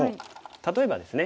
例えばですね